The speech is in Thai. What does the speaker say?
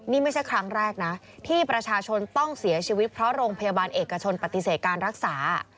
นี่ไม่ใช่ครั้งแรกนะที่ประชาชนต้องเสียชีวิตเพราะโรงพยาบาลเอกชนปฏิเสธการรักษา